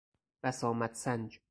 بسامد سنج